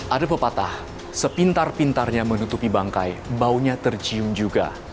ada pepatah sepintar pintarnya menutupi bangkai baunya tercium juga